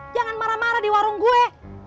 jangan marah marah di warung gue